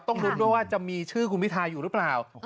ต้องรุ้นว่าจะมีชื่อคุณพิทาอยู่หรือเปล่า